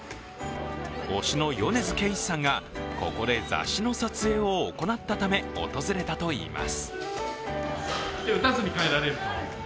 推しの米津玄師さんがここで雑誌の撮影を行ったため訪れたといいます。